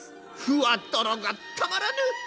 ふわとろがたまらぬ！